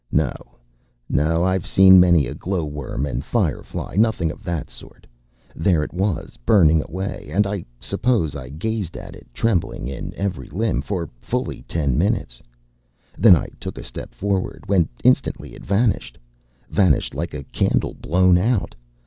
No, no; I’ve seen many a glow worm and firefly nothing of that sort. There it was, burning away, and I suppose I gazed at it, trembling in every limb, for fully ten minutes. Then I took a step forward, when instantly it vanished, vanished like a candle blown out.